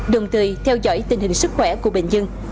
đồng thời theo dõi tình hình sức khỏe của bệnh dân